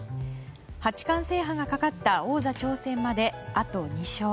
八冠制覇がかかった王座挑戦まで、あと２勝。